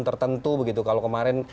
tertentu begitu kalau kemarin